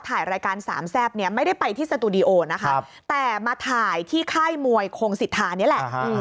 ถ่ายรายการสามแซ่บเนี่ยไม่ได้ไปที่สตูดิโอนะคะแต่มาถ่ายที่ค่ายมวยคงสิทธานี่แหละ